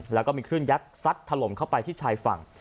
แล้วก็มีคลื่นยักษ์ซัดถล่มเข้าไปที่ชายฝั่ง